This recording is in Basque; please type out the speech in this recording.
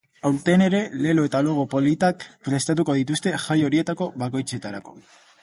Aurten ere, lelo eta logo politak prestatu dituzte jai horietako bakoitzerako.